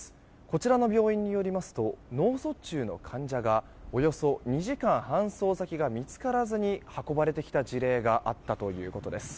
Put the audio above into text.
こちらの病院によりますと脳卒中の患者がおよそ２時間搬送先が見つからずに運ばれきた事例があったということです。